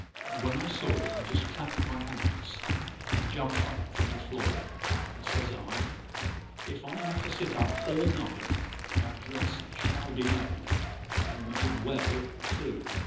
And when I saw it I just clapped my hands and jumped up from the floor; and says I, "If I have to sit up all night that dress shall be made, and made well too."